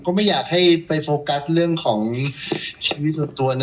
เป็นใช้โปรกัสเรื่องของชีวิตสุดตัวเนอะ